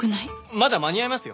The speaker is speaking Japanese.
まだ間に合いますよ。